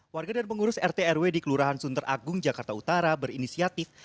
warga dan pengurus rt rw di kelurahan sunter agung jakarta utara berinisiatif